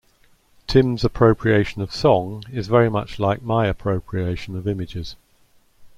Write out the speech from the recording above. Tim's appropriation of song is very much like my appropriation of images.